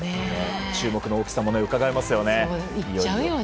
注目の大きさもうかがえますよね。